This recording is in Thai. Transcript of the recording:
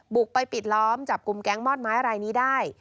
บุกไปปิดล้อมจับกลุ่มแก๊งมอดไม้รายนี้ได้